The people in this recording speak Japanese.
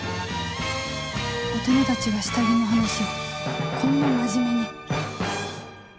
大人たちが下着の話をこんな真面目に